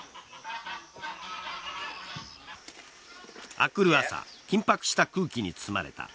あくる朝緊迫した空気に包まれた。